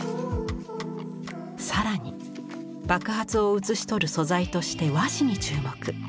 更に爆発を写し取る素材として和紙に注目。